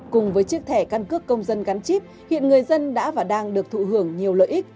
cùng với chiếc thẻ căn cước công dân gắn chip hiện người dân đã và đang được thụ hưởng nhiều lợi ích